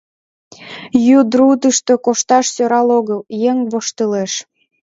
Йӱдрӱдыштӧ кошташ сӧрал огыл — еҥ воштылеш.